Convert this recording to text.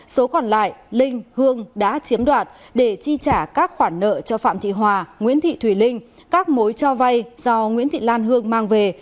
số còn lại linh hương đã chiếm đoạt để chi trả các khoản nợ cho phạm thị hòa nguyễn thị thùy linh các mối cho vay do nguyễn thị lan hương mang về